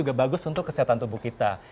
juga bagus untuk kesehatan tubuh kita